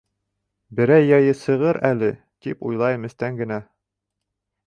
Берәй яйы сығыр әле, тип уйлайым эстән генә.